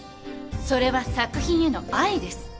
それは作品への愛です。